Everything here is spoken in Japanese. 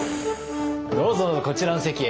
どうぞどうぞこちらの席へ。